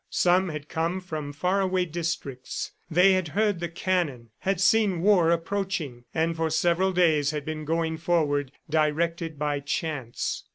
Some had come from far away districts; they had heard the cannon, had seen war approaching, and for several days had been going forward, directed by chance.